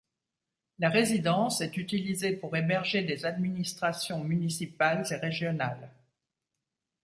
La résidence est utilisée pour héberger des administrations municipales eet régionales.